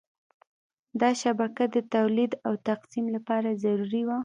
دا شبکه د تولید او تقسیم لپاره ضروري وه.